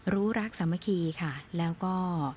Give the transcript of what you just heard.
รู้รักสามัคคีค่ะแล้วก็